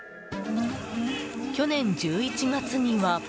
去年１１月には。